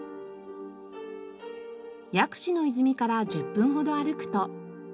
薬師の泉から１０分ほど歩くと。